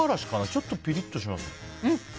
ちょっとピリッとしますね。